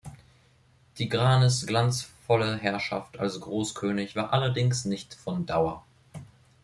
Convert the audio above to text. Tigranes’ glanzvolle Herrschaft als Großkönig war allerdings nicht von Dauer.